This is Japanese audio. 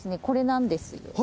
これなんです